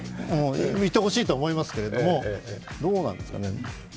いてほしいとは思いますけれどもどうなんですかね。